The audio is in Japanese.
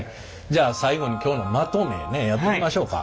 じゃあ最後に今日のまとめねやってみましょうか。